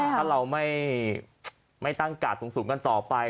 ถ้าเราไม่ตั้งกาดสูงกันต่อไป